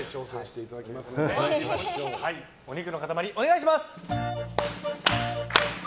お肉の塊、お願いします！